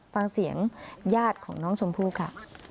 ฟังเสียงญาติของน้องชมพู่ค่ะ